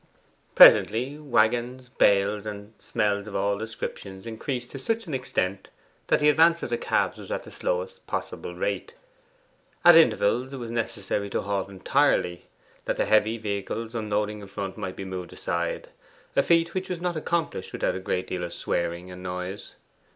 Presently waggons, bales, and smells of all descriptions increased to such an extent that the advance of the cabs was at the slowest possible rate. At intervals it was necessary to halt entirely, that the heavy vehicles unloading in front might be moved aside, a feat which was not accomplished without a deal of swearing and noise.